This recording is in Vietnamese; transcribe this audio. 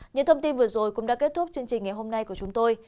những thông tin vừa rồi cũng đã kết thúc chương trình ngày hôm nay của chúng tôi